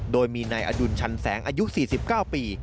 โดยมีนายอดุลชันแสงอายุ๔๙ปี